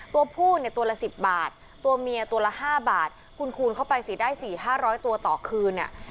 ตัวผู้เนี่ยตัวละสิบบาทตัวเมียตัวละห้าบาทคูณคูณเข้าไปสิได้สี่ห้าร้อยตัวต่อคืนเนี่ย